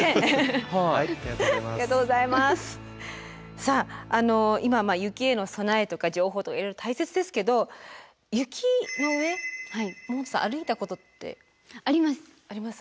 さあ今雪への備えとか情報とかいろいろ大切ですけど雪の上百田さん歩いたことって？あります。あります？